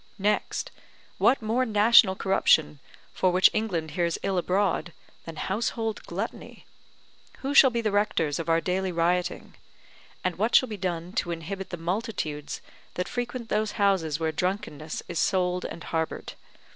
Next, what more national corruption, for which England hears ill abroad, than household gluttony: who shall be the rectors of our daily rioting? And what shall be done to inhibit the multitudes that frequent those houses where drunkenness is sold and harboured?